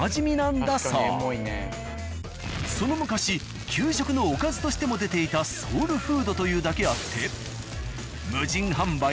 その昔給食のおかずとしても出ていたソウルフードというだけあって。